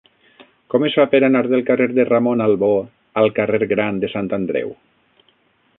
Com es fa per anar del carrer de Ramon Albó al carrer Gran de Sant Andreu?